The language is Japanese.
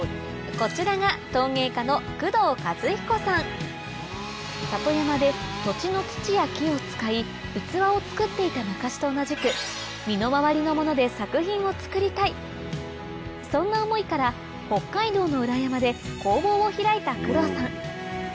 こちらが里山で土地の土や木を使い器を作っていた昔と同じくそんな思いから北海道の裏山で工房を開いた工藤さん